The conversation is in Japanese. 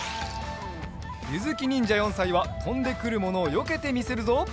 ゆずきにんじゃ４さいはとんでくるものをよけてみせるぞ。